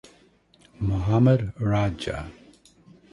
Mohamed Radja.